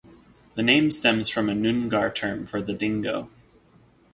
The name stems from a Noongar term for the dingo.